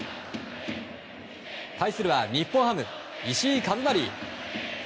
対するは日本ハム、石井一成。